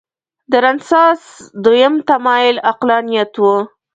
د رنسانس دویم تمایل عقلانیت و.